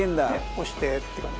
押してって感じ。